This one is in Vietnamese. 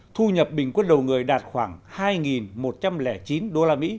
thu nhập bình quân đầu người đạt khoảng hai một trăm linh chín usd